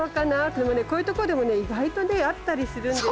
でもねこういうところでもね意外とねあったりするんですよ。